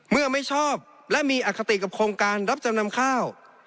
เมื่อไม่ชอบและมีอคติกับโครงการรับจำนำข้าว